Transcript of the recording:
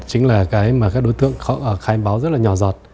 chính là cái mà các đối tượng khai báo rất là nhỏ giọt